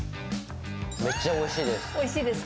めっちゃおいしいです。